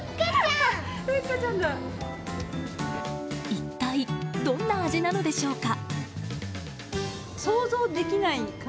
一体どんな味なのでしょうか？